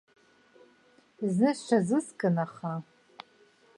Зны сҽазыскын, аха.